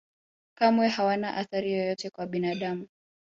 kamwe hawana athari yoyote kwa binadamu